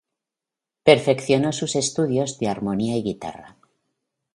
Perfeccionó sus estudios de armonía y guitarra.